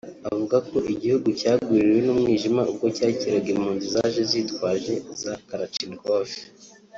avuga ko igihugu cyagwiririwe n’umwijima ubwo cyakiraga impunzi zaje zitwaje za Kalachnikov